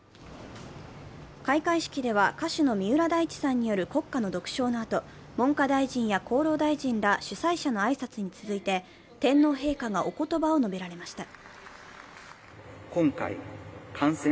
開会式では歌手の三浦大知さんによる国歌の独唱のあと、文科大臣や厚労大臣ら主催者の挨拶に続いて天皇陛下がおことばを述べられました。